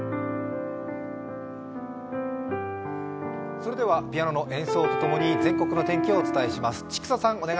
それでは、ピアノの演奏とともに全国の天気をお伝えします。